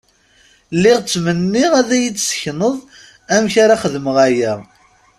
Lliɣ ttmenniɣ ad yi-d-sekneḍ amek ara xedmeɣ aya.